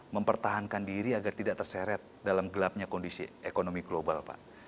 mempertahankan diri agar tidak terseret dalam gelapnya kondisi ekonomi global pak